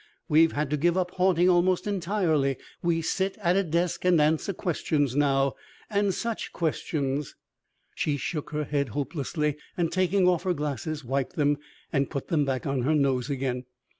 We've had to give up haunting almost entirely. We sit at a desk and answer questions now. And such questions!" She shook her head hopelessly, and taking off her glasses wiped them, and put them back on her nose again.